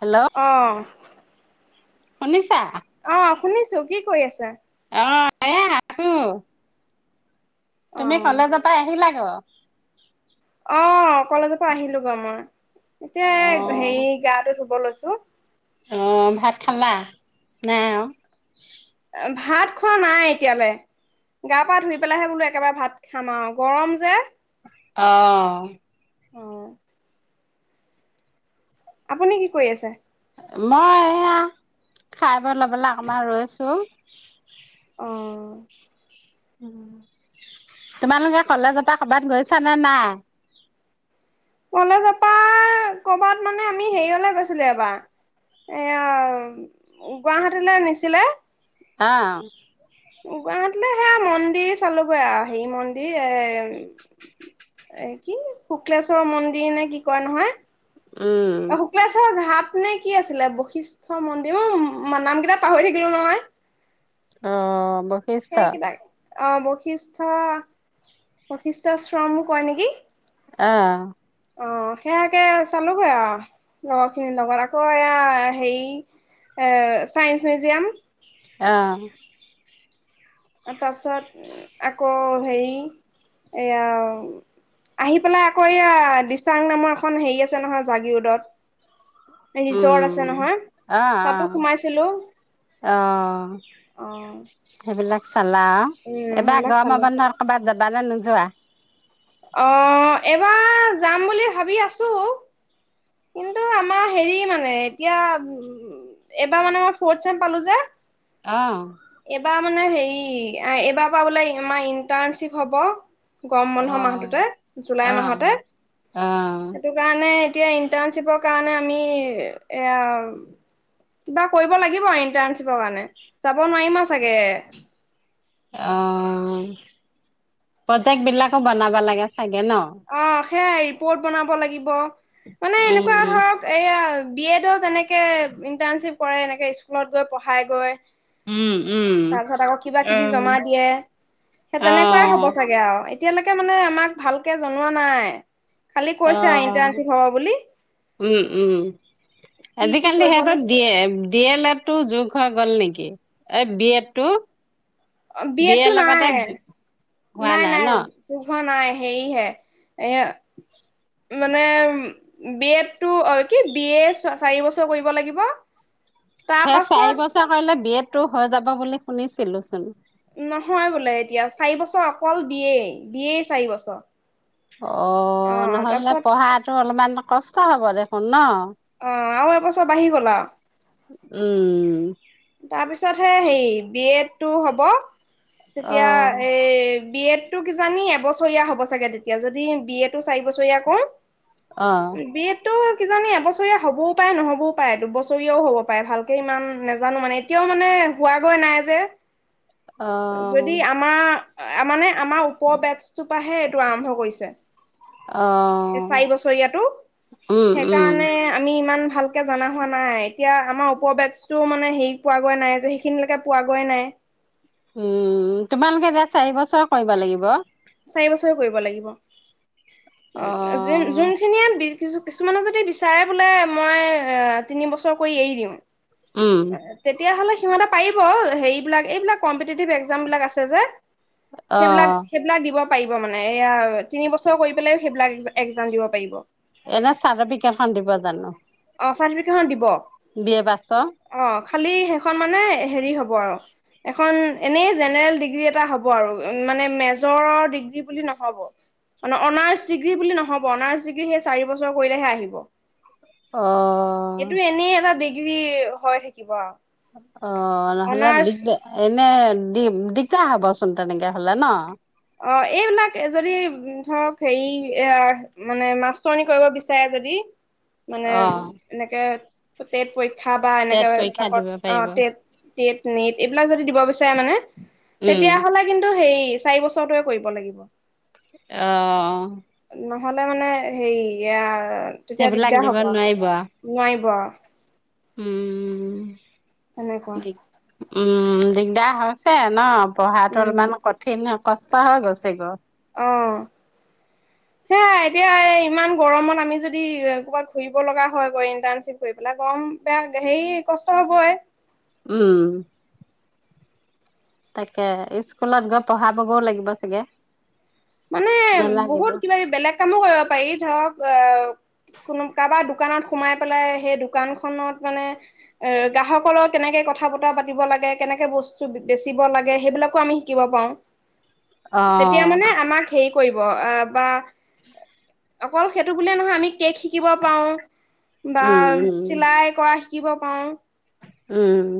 Hello অহ শুনিছা অ শুনিছো কি কৰি আছা অ এয়া আছো তুমি অহ কলেজৰ পৰা আহিলা অ অ কলেজৰ পৰা আহিলো ব মই এতিয়া অ' হেৰি গাটো ধু ধুব লৈছোঁ অ ভাত খালা নাই আৰু ভাত খোৱা নাই এতিয়ালে গা পা ধুই পেলাইহে বোলো একেবাৰে ভাত খাম আৰু গৰম যে অহ অহ আপুনি কি কৰি আছে মই এয়া খাই বৈ ল'বলৈ অকমান ৰৈছো অহ তোমালোকে কলেজৰ পৰা কবাত গৈছা নে নাই কলেজপা কৰবাত মানে আমি হেৰিয়লে গৈছিলো এবাৰ এয়া গুৱাহাটীলে নিছিলে আহ গুৱাহাটীলৈ সেয়া মন্দিৰ চালোঁগৈ আৰু হে মন্দিৰ এই এ কি শুক্লেশ্বৰৰ মন্দিৰ নে কি কই নহয় উম [unintelligible] আপে কি আছিলে বশিষ্ঠ মন্দিৰ নাম কেইটা পাহৰি থাকিলো নহয় অ ব পেছা আহ বৈশিষ্ট বৈশিষ্ট শ্ৰম কয় নেকি আহ অঁ সেয়াকে চালোগৈ আৰু লগৰখিনিৰ লগত আকৌ এয়া হেৰি চাইন্স মিউজিয়াম আহ তাৰপাছত আকৌ হেৰি এয়া আহি পেলাই আকৌ এয়া দিচাং নামৰ এখন হেৰি আছে নহয় জাগি ৰোডত ৰিজৰ্ট উম আছে নহয় অ' তাতো অ' সোমাইছিলো অ' অ সেইবিলাক চালা অ উম এবাৰ সেইবিলাক গৰমৰ চালো বন্ধৰ কৰ'বাত যাবা যাবা নে নোযোৱা অ এইবাৰ যাম বুলি ভাবি আছো কিন্তু আমাৰ হেৰি মানে এতিয়া এইবাৰ ফৌৰ্থচেম পালোঁ যে অ' এইবাৰ মানে হেৰি ই এইবাৰ পৰা বোলে আমাৰ ইণ্টাৰ্ণশ্বিপ হ'ব গম মনহোৱা মা অ' জুলাই মাহতে অ' অ সেইটো কাৰণে এতিয়া ইন্টাৰচিপৰ কাৰণে আমি সেয়া কিবা কৰিব লাগিব ইন্টাৰচিপৰ কাৰণে যাব নোৱাৰিম চাগে অ প্ৰজেক্ট বিলাকো বনাব লাগে চাগে ন অ সেয়াই প'ৰ্ট বনাব লাগিব মানে এনেকুৱা উম ধৰক এয়া বি এডও যেনেকে ইণ্টাৰ্নশ্বিপ কৰে এনেকে স্কুলত গৈ পঢ়াই গৈ উম উম তাৰপিছত আকৌ কিবা কিবি উম জমা দিয়ে সেই অ তেনেকুৱাই হ'ব চাগে আৰু এতিয়ালৈকে মানে আমাক ভাল তাকে জনোৱা নাই খালি অ কৈছে আৰু ইণ্টাৰ্ণশ্বিপ হ'ব বুলি উম উম কি কি আজিকালি কৰিব সিহঁতৰ লাগে দিয়ে ডি এল এডটো যোগ হৈ গ'ল নেকি এই বি এডটো অ বিয়টো নাই হোৱা নাই নাই ন ন হে হে এ মানে বি এডটো কি বি এ চাৰি বছৰ কৰিব লাগিব তাৰ সেই চাৰি পাছত বছৰ কৰিলে বিয়ট টো হৈ যাব বুলি শুনিছিলো চোন নহয় বোলে এতিয়া চাৰি বছৰ অকল বিয়েই বিয়েই চাৰি বছৰ অ নহ'লে পঢ়াতটো অলপমান কষ্ট হ'ব দে শূন্য আহ আৰু এবছৰ বাঢ়ি গলা উম তাৰপিছতহে হেৰি বি এডটো হ'ব তেতিয়া অ এ বি এত টো কিজানি এবছৰীয়া হ'ব চাগে তেতিয়া যদি বি এ তটো চাৰি বছৰীয়া কৰো অ বি এটো কিজানি এবছৰীয়া হ'বও পাৰে নহ'বও পাৰে দুবছৰীয়াও হ'ব পাৰে ভালকে ইমান নাজানো মানে এতিয়াও মানে হোৱাগৈ নাই যে যদি অ আমাৰ মানে আমাৰ ওপৰ বেটছটোৰ পৰাহে এইটো আৰম্ভ কৰিছে অ', চাৰি উম, বছৰীয়াতটো সেই উম, কাৰণে আমি ইমান ভালকে জনা হোৱা নাই এতিয়া আমাৰ ওপৰ বেটছ টো মানে হেৰি পোৱা গৈ নাই যে সেইখিনিলৈকে পোৱাগৈ নাই উম তোমালোকে এয়া চাৰি বছৰ কৰিব লাগিব চাৰি বছৰে কৰিব লাগিব উ যে অ', যোনখিনিয়ে কিছু কিছুমানে যদি বিচাৰে বোলে মই তিন বছৰ কৰি এৰি দিম উম, তেতিয়া হ'লে সিহতে পাৰিব হেৰিবলাক এইবিলাক কম্পিতিটিভ একজাম বিলাক আছে যে অ সেইবিলাক সেইবিলাক দিব পাৰিব মানে এয়া তিন বছৰ কৰি পেলাই সেইবিলাক এক্সাম দিব পাৰিব এনে চাভাবিক এখন দিব জানো অঁ চাৰ্টিফিকেটইখন দিব বি এ পাছৰ? অ খালি শেষ খন মানে হেৰি হ'ব আৰু এখন এনেই জেনেৰেল ডিগ্ৰী এটা হ'ব আৰু মানে মেজৰৰ ডিগ্ৰী বুলি নহব অনা অনাৰ্চ ডিগ্ৰী বুলি নহব অনাৰ্চ ডিগ্ৰী সেই চাৰিবছৰ কৰিলেহে আহিব অহ গ্ৰী হৈ থাকিব আও অ নহ'লে দিগদাৰ এনে দিম দিগদাৰ হবচোন তেনেকে হলে ন অ এইবিলাক যদি ধৰক হেৰি এ মানে মাষ্টৰনি কৰিব বিচাৰে যদি মানে অ', এনেকে টেট পৰীক্ষা খাবা টেট এনেকে পৰীক্ষা বাকত দিব অ পাৰিব। তেজ টেট নেট এইবিলাক যদি দিব বিচাৰে মানে উম, তেতিয়া হ'লে কিন্তু হেৰি চাৰিবছৰ টোৱে কৰিব লাগিব অহ নহলে মানে হেৰি এয়া তেতিয়া সেইবিলাক দিগদাৰ দিব হ'ব আৰু। নোৱাৰিব উম এনেকোৱা দিগ উম দিগদাৰ হৈছে ন পঢ়াটো উম অলপমান কঠিন ন কষ্টা হয় গচে গ অ সেয়াই এতিয়া ইমান গৰমত আমি যদি ক'ৰবাত ঘুৰিব লগা হয় ইণ্টাৰণশিপ কৰি পেলাই গৰম বেয়া হেৰি কষ্ট হবই উম তাকে স্কুলত গৈ পঢ়াবগৈও লাগিব চাগে মানে নালাগিব বহুত কিবা কি বেলেগ কামো কৰিব পাৰি ধৰক অ কোনো কাৰবা দোকানত সোমাই পেলাই সেই দোকানখনত মানে গ্ৰাহকৰ লগত কেনেকে কথা বতৰা পাতিব লাগে কেনেকে বস্তু বেচিব লাগে সেইবিলাকো আমি শিকিব পাৰোঁ অ হেৰি কৰিব বা অকল সেইটো বুলিয়ে নহয় আমি কেক শিকিব পাৰোঁ বা উম উম চিলাই কৰা, শিকিব পাৰোঁ উম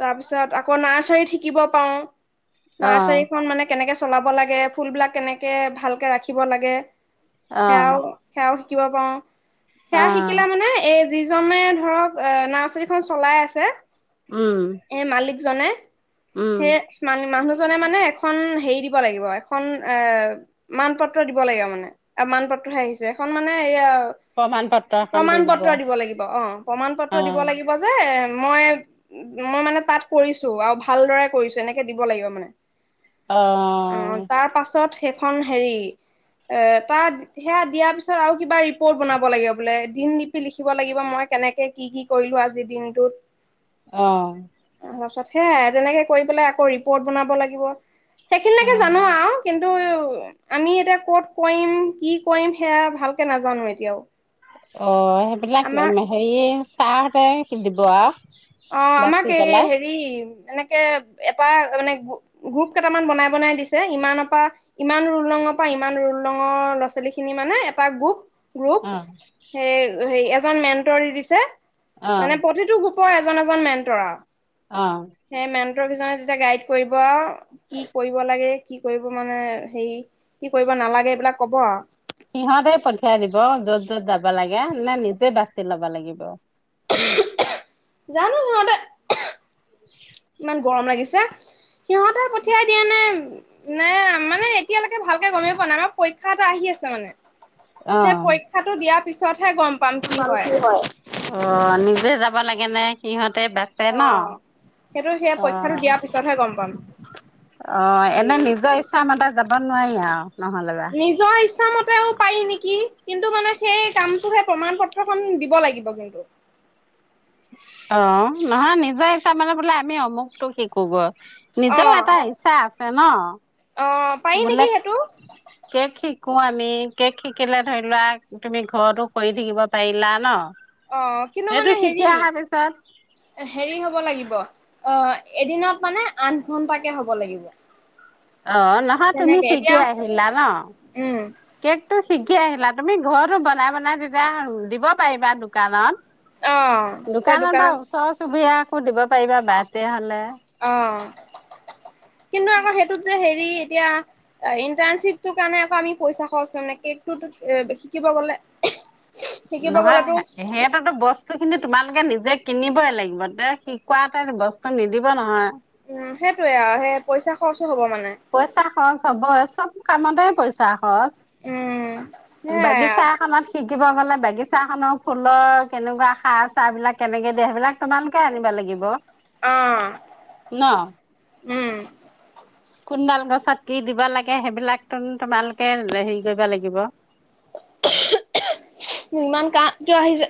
তাৰপিছত আকৌ নাৰ্চাৰীত শিকিব পাওঁ ন অ চাৰীখন মানে কেনেকে চলাব লাগে ফুলবলাক কেনেকে ভালকে ৰাখিব লাগে অ খেও খেও কিবা পাওঁ অ সেয়া শিকিলা মানে এই যিজনে ধৰক নাৰ্চাৰীখন চলাই আছে উম! জনে উম সেয় মান মানুহ জনে মানে এখন হেৰি দিব লাগিব এখন এ মান পত্ৰ দিব লাগিব মানে মান পত্ৰহে আহিছে এখন মানে এয়া প্ৰমাণ পত্ৰ এখন দি প্ৰমণ পত্ৰ দিব লাগিব অ প্ৰমণ পত্ৰ অ দিব লাগিব যে মই মই মানে তাত কৰিছো আৰু ভালদৰে কৰিছো এনেকে দিব লাগিব মানে অ' তাৰ পাছত সেইখন হেৰি এ তাত সেয়া দিয়াৰ পিছত আৰু কিবা ৰিপৰ্ট বনাব লাগিব বোলে দিন লিপি লিখিব লাগিব মই কেনেকে কি কি কৰিলো আজিৰ দিনটোত অ' তাৰ পিছত সে যেনেকে কৰি পেলাই আকৌ ৰিপৰ্ট বনাব লাগিব অ সেইখিনিলৈকে জানো আৰু কিন্তু কিন্তু আমি এতিয়া কত কৰিম কি কৰিম সেয়া ভালকে নাজানো এতিয়াও অ সেইবিলাক আমাৰ হেৰিয় তাহ হতে কধিব আৰু অ' আমাক বাচি এই পেলাই হেৰি এনেকে এটা মানে গ্ৰুপ কেইটামান বনাই বনাই দিছে ইমানৰ পৰা ইমান ৰুল ৰঙৰ পৰা ইমান ৰুল ৰঙৰ ল'ৰা ছোৱালী খিনি মানে এটা গ্ৰুপ গ্ৰুপ অ স হ এজন মেণ্টৰ দিছে অ মানে পথটো গ ই এজন এজন মেনটৰা অ সেই মেন্ট্ৰৰ পিছনা গাইড কৰিব কি কৰিব লাগে কি কৰিব মানে হেৰি কি কৰিব নালাগে এইবিলাক কব আৰু সিহঁতে পঠিয়াই দিব যত য'ত যাব লাগে নে নিজে বাচি ল'ব লাগিব। জানো সিহতে [unintelligible] গৰম লাগিছে। সিহঁতে পঠিয়াই দিয়েনে। নে মানে এতিয়ালৈকে ভালকে গমেই পোৱা নাই, আমাৰ পৰীক্ষা এটা আহি আছে মানে সেই অ পৰীক্ষাটো দিয়াত পিছত কি হয় অ', যাব লাগেনে সিহঁত বাচে অ ন সেইটো সেই পৰীক্ষাটো অ', দিয়াৰ পিছতহে গম পাম অ', এনে হেৰি নিজৰ ইচ্ছামতে। যাব নোৱাৰি আৰু নহ'লে বা। নিজৰ ইচ্ছামতেওঁ পায় নেকি কিন্তু মানে সেই কামটো সেই প্ৰমণ পত্ৰখন দিব লাগিব কিন্তু অ', নহয় নিজৰ হিচাপ মানে বোলে আমি অমুকতটো শিকো গৈ অ নিজৰও এটা ইচ্ছা আছ। ছে ন অ', পাৰি বোলে নেকি সেইটো কেক শিকো আমি কেক শিকিলে ধৰি লোৱা তুমি ঘৰত কৰি থাকিব পাৰিলা ন অ', কিন্তু সেইটো মানে শিকি হেৰি, অহাৰ পিছত হেৰি হ'ব লাগিব। অ', এদিনত মানে আঠ ঘন্টাকে হ'ব লাগিব। অ', নহয় তুমি তেনেকে শিকি এতিয়া আহিলা ন উম শিকি আহিলা তুমি ঘৰতো বনাই বনাই তেতিয়া দিব পাৰিবা অ', দোকানত এতিয়া দোকানত বা ওচৰচুবুৰীয়া সুধিব দিব পাৰিবা বাৰ্থদে হ'লে অ', কিন্তু আকৌ সেইটোত যে হেৰি এতিয়া ইন্টাৰ্ণশ্বিপটো কাৰণে আকৌ আমি পইচা খৰচ কৰিম কেক শিকিব গলে। শিকিব নহয় গ'লেতো উম, সিহঁততো বস্তু খিনি তোমালোকে নিজে কিনিবই লাগিব দে শিকোৱা এটা বস্তু নিদিব নহয়। উ'ম সেইটোয়ে আৰু সেই পইচা খৰচ পইচা খৰচ হবয়ে। কামতে পইচা উম। চ সেয়াই বাগিচা আৰু এখনত শিকিব গ'লে বাগিছা খনৰ ফুলৰ কেনেকুৱা সাৰ চাৰ বিলাক কেনেকে দিয়ে সেইবিলাক তোমালোকে আনিব লাগিব। ন আহ কোনডাল গছত কি দিবা লাগে সেইবিলাকন তোমালোকে হেৰি কৰিব লাগিব উ ইমান কাহ কিয় আহিছে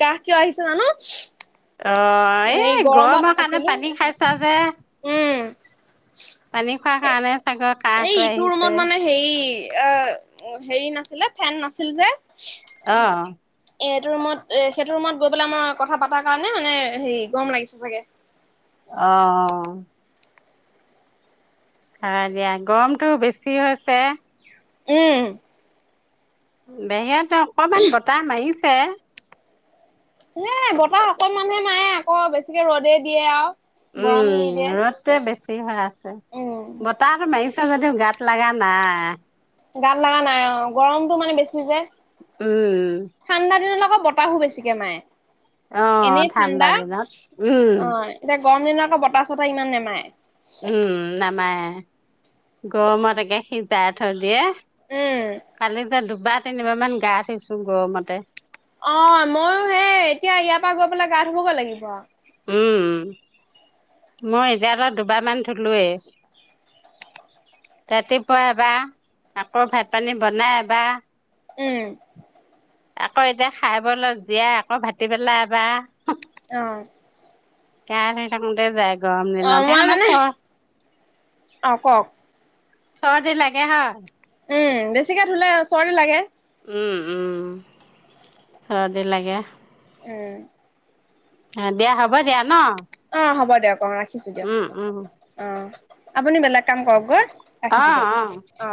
কাহ কিয় আহিছে জানো অ এই গৰমত গৰমৰ কাৰণে আছিলো পানী খাইছা যে উম, পানী খোৱাৰ এ কাৰণে চাগৰ এই কাহটো ইটো আহিছে ৰুমত মানে হেৰি হেৰি নাছিলে ফেন নাছিল যে অ এ এইটো ৰুমত এ সেইটো ৰুমত গৈ পেলাই মই কথা পাতাৰ কাৰণে মানে হেৰি গৰম লাগিছে চাগে আহ অ দিয়া গৰমতটো বেছি হৈছে উম বেহত ত অকণমান বতাহ মাৰিছ হে বতাহ অকল মানুহে মাৰে আকৌ বেছিকে ৰ'দ দিয়ে আৰু গৰম দি উম দিয়ে ৰ'দ তে বেছি হৈ আছে উম, বতাহটো মাৰি যদিও গাত লগা নাই গাল লগা নাই অ গৰমতটো মানে বেছি যায় উম ঠাণ্ডা দিন বতাহো বেছিকে মায়ে আহ ঠাণ্ডা দিনত উম অ' এতিয়া গৰম দিনত আকৌ বতাহ ইমান নেমায় উম নাম গৰমত একে সিজাই থৈ দিয়ে উম, কালি যে দুবাৰ তিনিবাৰ মান গা ধুইছো গৰমতে অ মইো সেই এতিয়া ইয়াৰ পৰা গৈ পেলাই কা ধবগৈ লাগিব উ মই এতিয়া ত দুবাৰ মান ধলোৱেই ৰাতিপুৱা এবাৰ আকৌ ভাত পানী বনাই বা উম আকৌ এতিয়া খাই ব অলপ জীয়াই আকৌ ভতি পেলাই বা আহ কাৰে দে আহ মই মানে অ কওক চৰদিন লাগে হয় বেছিকৈ ধুলে চৰ্দি লাগে উম, উম। চৰ্দি লাগে। উম। অ, দিয়া হ'ব দিয়া ন। অ', হ'ব দিয়ক। অ', ৰাখিছোঁ দিয়ক উম উম অ। আপুনি বেলেগ কাম কৰক গৈ, ৰাখিছোঁ দিয়ক, অ।